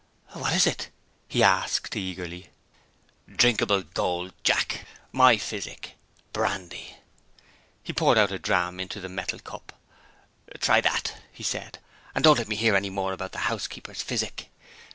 "What is it?" he asked eagerly. "Drinkable gold, Jack! My physic. Brandy!" He poured out a dram into the metal cup. "Try that," he said, "and don't let me hear any more about the housekeeper's physic."